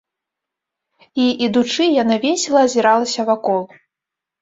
І, ідучы, яна весела азіралася вакол.